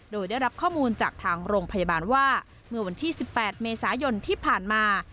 โดยได้รับข้อมูลจากทางโรงพยาบาลว่าเมื่อวันที่๑๘เมษายนที่ผ่านมา